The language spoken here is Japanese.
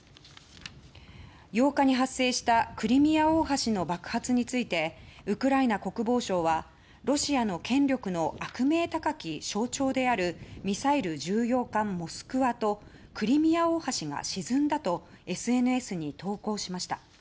８日に発生したクリミア大橋の爆発についてウクライナ国防省はロシアの権力の悪名高き象徴であるミサイル巡洋艦「モスクワ」とクリミア大橋が沈んだとＳＮＳに投稿しました。